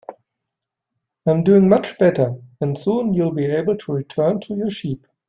I'm doing much better, and soon you'll be able to return to your sheep.